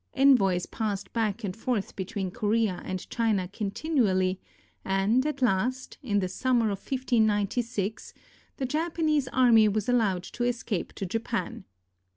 Envoys passed back and forth between Korea and China continually, and at last, in the summer of 1596, the Japanese army was allowed to escape to Japan.